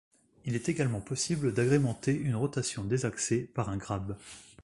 Il est également possible d'agrémenter une rotation désaxée par un grab.